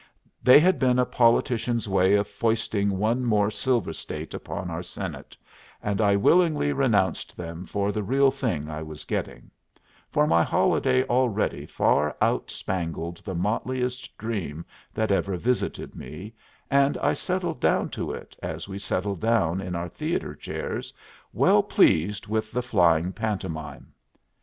They had been a politician's way of foisting one more silver State upon our Senate, and I willingly renounced them for the real thing I was getting; for my holiday already far outspangled the motliest dream that ever visited me, and I settled down to it as we settle down in our theatre chairs, well pleased with the flying pantomime.